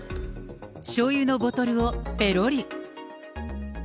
しょうゆのボトルをぺろり。